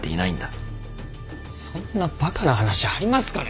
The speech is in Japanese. そんなバカな話ありますかね。